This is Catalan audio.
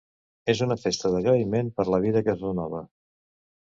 És una festa d'agraïment per la vida que es renova.